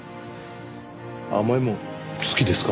甘いもん好きですか？